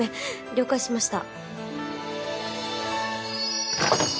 了解しました